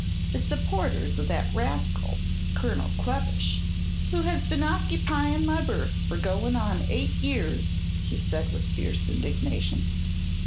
"The supporters o' that rascal, Colonel Kleppish, who has been occupyin' my berth for goin' on eight years," he said with fierce indignation.